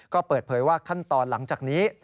ก็เปิดเผยว่าขั้นตอนหลังจากนี้